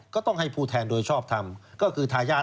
ก็ต้องให้ผู้แทนโดยชอบทำก็คือทายาท